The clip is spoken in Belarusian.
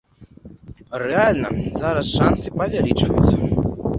Рэальна зараз шанцы павялічваюцца.